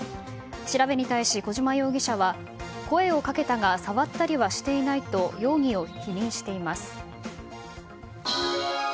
調べに対し、小島容疑者は声をかけたが触ったりはしていないと容疑を否認しています。